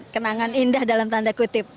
kenangan indah dalam tanda kutip